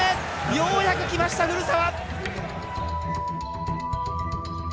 ようやく来ました古澤！